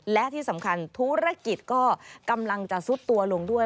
และที่สำคัญธุรกิจก็กำลังจะซุดตัวลงด้วย